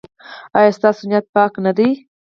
ایا ستاسو نیت پاک نه دی؟